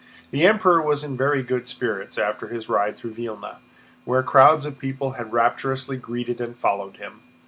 The Emperor was in very good spirits after his ride through Vílna, where crowds of people had rapturously greeted and followed him.